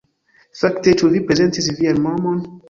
Fakte, ĉu vi prezentis vian nomon?